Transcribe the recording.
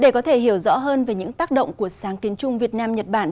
để có thể hiểu rõ hơn về những tác động của sáng kiến chung việt nam nhật bản